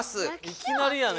いきなりやね。